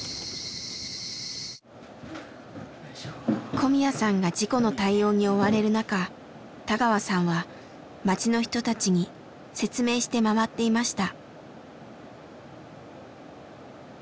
小宮さんが事故の対応に追われる中田川さんは町の人たちに説明して回っていました。